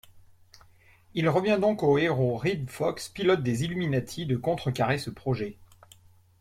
Il revient donc au héros Reed Fox, pilote des Illuminatis, de contrecarrer ce projet.